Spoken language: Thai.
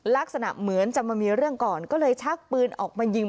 ลักษณะเหมือนจะมามีเรื่องก่อนก็เลยชักปืนออกมายิง